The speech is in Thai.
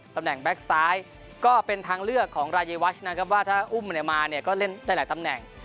แบ็คซ้ายก็เป็นทางเลือกของรายวัชนะครับว่าถ้าอุ้มมาเนี่ยก็เล่นได้หลายตำแหน่ง